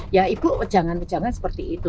ya ibu jangan jangan seperti itu